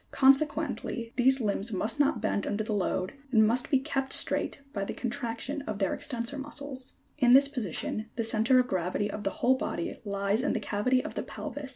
Con sequently these limbs must not bend under the load, and must be kept straight by the contraction of their extensor muscles. 84. In this position the centre of gravity of the whole body lies in the cavity of the pelvis, and th e base of support is circum 79.